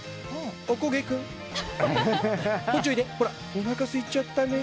おなかすいちゃったね！